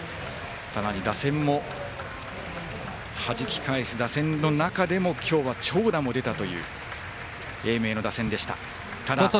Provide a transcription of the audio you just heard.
さらに打線もはじき返す打線の中でも今日は長打も出たという英明の打線でした。